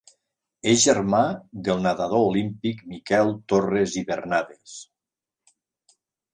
És germà del nadador olímpic Miquel Torres i Bernades.